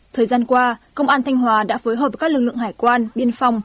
thời gian qua công an thanh hòa đã phối hợp với các lực lượng hải quan biên phòng